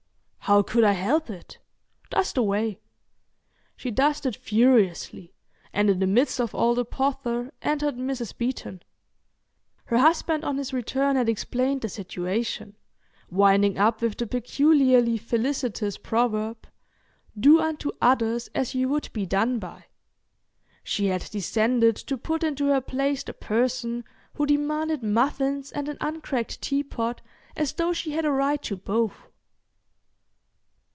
"How could I help it? Dust away." She dusted furiously, and in the midst of all the pother entered Mrs. Beeton. Her husband on his return had explained the situation, winding up with the peculiarly felicitous proverb, "Do unto others as you would be done by." She had descended to put into her place the person who demanded muffins and an uncracked teapot as though she had a right to both.